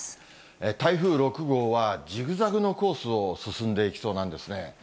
台風６号は、じぐざぐのコースを進んでいきそうなんですね。